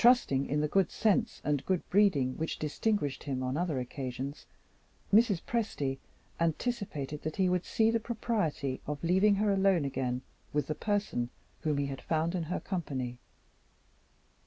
Trusting in the good sense and good breeding which distinguished him on other occasions, Mrs. Presty anticipated that he would see the propriety of leaving her alone again with the person whom he had found in her company.